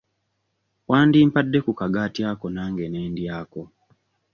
Wandimpadde ku kagaati ako nange ne ndyako.